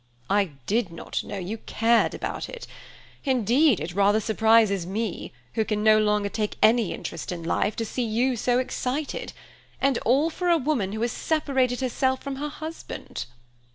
"I did not know you cared about it; indeed it rather surprises me, who can no longer take any interest in life, to see you so excited, and all for a woman who has separated herself from her husband."